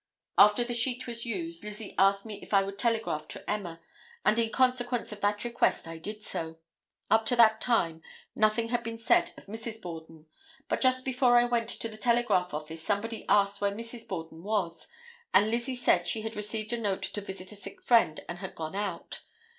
After the sheet was used, Lizzie asked me if I would telegraph to Emma, and in consequence of that request I did so; up to that time nothing had been said of Mrs. Borden, but just before I went to the telegraph office somebody asked where Mrs. Borden was and Lizzie said she had received a note to visit a sick friend and had gone out.